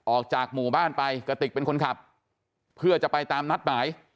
ออกจากหมู่บ้านไปกระติกเป็นคนขับเพื่อจะไปตามนัดหมาย